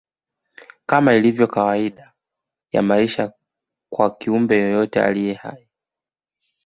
Kama ilivyo kawaida ya maisha kwa kiumbe yeyote aliye hai